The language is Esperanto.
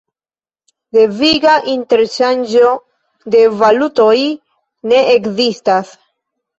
Deviga interŝanĝo de valutoj ne ekzistas.